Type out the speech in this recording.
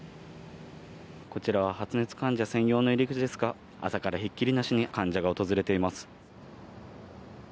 こちらは発熱患者専用の入り口ですが朝からひっきりなしに患者が訪れています。